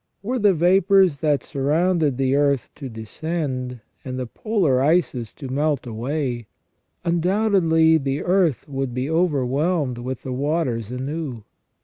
Were the vapours that surround the earth to descend, and the polar ices to melt away, undoubtedly the earth would be overwhelmed with the waters anew.